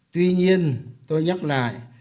tuy nhiên tôi nhắc lại